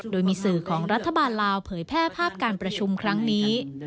โดยมีสื่อของรัฐบาลลาวเผยแพร่ภาพการประชุมครั้งนี้